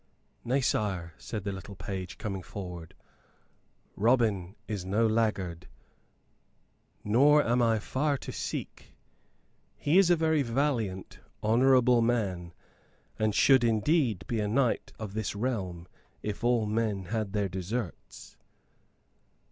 "Nay, sire," said the little page, coming forward, "Robin is no laggard, nor am I far to seek. He is a very valiant, honorable man, and should indeed be a knight of this realm, if all men had their deserts."